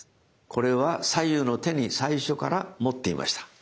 これは左右の手に最初から持っていました。